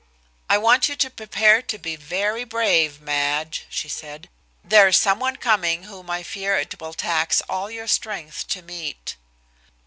"I want you to prepare to be very brave, Madge," she said. "There is some one coming whom I fear it will tax all your strength to meet."